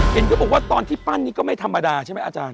เห็นก็บอกว่าตอนที่ปั้นนี่ก็ไม่ธรรมดาใช่ไหมอาจารย์